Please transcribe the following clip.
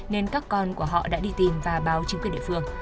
nên các con của họ đã đi tìm và báo chính quyền địa phương